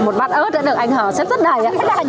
một bát ớt đã được anh hờ xếp rất đầy